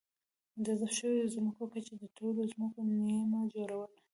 د ضبط شویو ځمکو کچې د ټولو ځمکو نییمه جوړوله